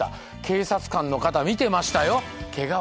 警察官の方見てましたよ